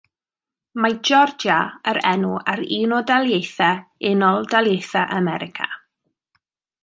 Mae Georgia yn enw ar un o daleithiau Unol Daleithiau America.